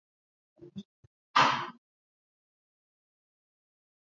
wanapokula malishoni na kusababisha maambukizi mapya